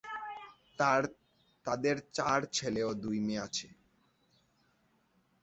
তাদের চার ছেলে ও দুই মেয়ে আছে।